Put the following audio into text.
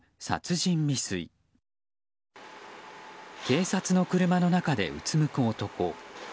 警察の車の中でうつむく男。